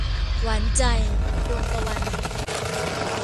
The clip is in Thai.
หวานใจ - ดวงตะวัน